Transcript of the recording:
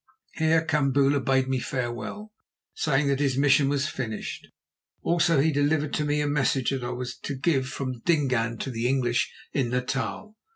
Here Kambula bade me farewell, saying that his mission was finished. Also he delivered to me a message that I was to give from Dingaan to the English in Natal.